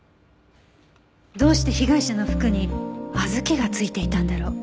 どうして被害者の服に小豆が付いていたんだろう？